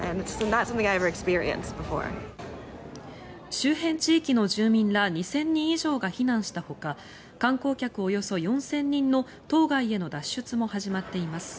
周辺地域の住民ら２０００人以上が避難したほか観光客およそ４０００人の島外への脱出も始まっています。